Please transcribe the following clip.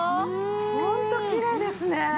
ホントきれいですね。